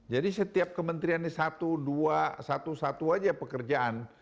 jadi setiap kementerian ini satu dua satu satu aja pekerjaan